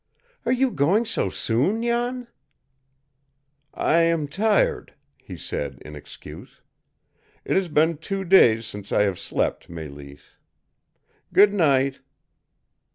"Are you going so soon, Jan?" "I am tired," he said in excuse. "It has been two days since I have slept, Mélisse. Good night!"